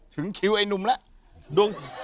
ถึงคิวไอ้หนุ่มแล้ว